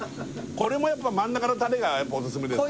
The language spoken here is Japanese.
これもやっぱ真ん中のタレがオススメですか？